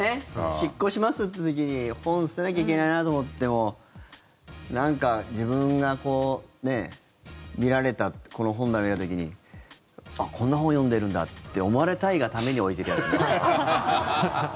引っ越しますって時に本捨てなきゃいけないと思ってもなんか自分がこの本棚、見られた時にこんな本読んでるんだって思われたいがために置いてるやつとか。